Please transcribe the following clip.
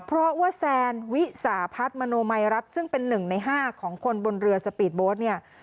เพราะว่าแซนวิสาพัฒน์มโนมัยรัฐซึ่งเป็น๑ใน๕ของคนบนเรือสปีดโบ๊ทเนี่ย